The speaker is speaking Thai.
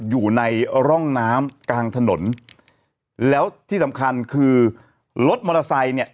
อยู่ในร่องน้ำกลางถนนแล้วที่สำคัญคือรถมอเตอร์ไซค์เนี่ย